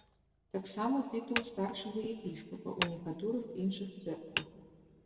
Таксама тытул старшага епіскапа ў некаторых іншых цэрквах.